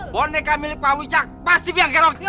boneka milik pak wicak pasti biang gerok